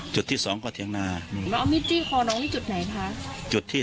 จุดที่สองก็เทียงนาน้องเอามิจิคอร์น้องที่จุดไหนคะ